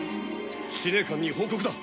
司令官に報告だ。